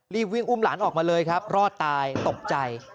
รีบวิ่งอุ้มหลานออกมาเลยครับรอดตายตกใจ